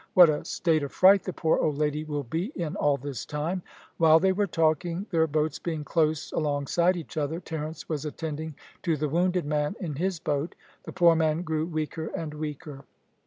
What a state of fright the poor old lady will be in all this time!" While they were talking, their boats being close alongside each other, Terence was attending to the wounded man in his boat. The poor man grew weaker and weaker.